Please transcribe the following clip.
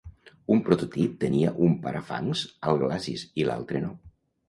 Un prototip tenia un parafangs al glacis i l'altre no.